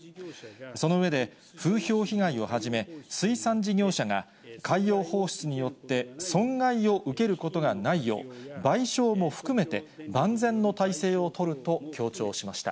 その上で、風評被害をはじめ、水産事業者が海洋放出によって、賠償も含めて万全の態勢を取ると強調しました。